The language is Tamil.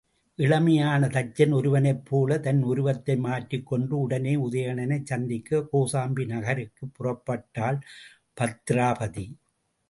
இளமையான தச்சன் ஒருவனைப்போலத் தன் உருவத்தை மாற்றிக்கொண்டு உடனே உதயணனைச் சந்திக்கக் கோசாம்பி நகருக்குப் புறப்பட்டாள் பத்திராபதி.